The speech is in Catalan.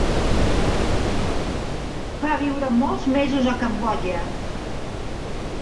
Va viure molts mesos a Cambodja.